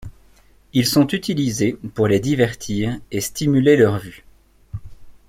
Ils sont utilisés pour les divertir et stimuler leur vue.